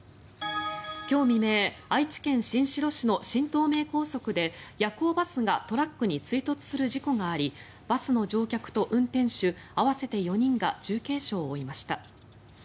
今日未明、愛知県新城市の新東名高速で夜行バスがトラックに追突する事故がありバスの乗客と運転手合わせて４人が重軽傷を負いました。